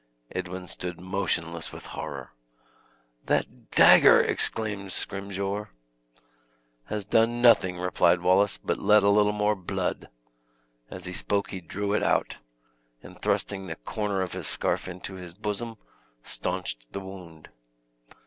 Edwin stood motionless with horror. "That dagger!" exclaimed Scrymgeour. "Has done nothing," replied Wallace, "but let a little more blood." As he spoke he drew it out, and thrusting the corner of his scarf into his bosom, staunched the wound.